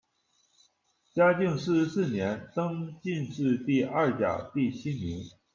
嘉靖四十四年，登进士第二甲第七名。